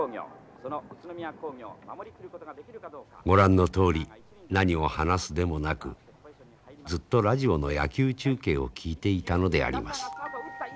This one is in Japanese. ご覧のとおり何を話すでもなくずっとラジオの野球中継を聞いていたのであります。